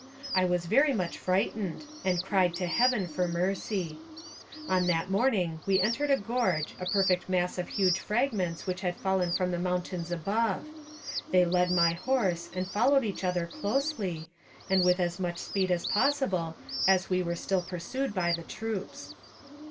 I was very much frightened, and cried to Heaven for mercy. On that morning we entered a gorge, a perfect mass of huge fragments which had fallen from the mountains above; they led my horse and followed each other closely, and with as much speed as possible, as we were still pursued by the troops.